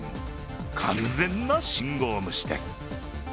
完全な信号無視です。